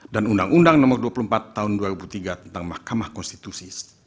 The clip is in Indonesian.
dan undang undang nomor dua puluh empat tahun dua ribu tiga tentang mahkamah konstitusi